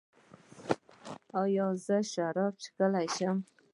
ایا زه شراب څښلی شم؟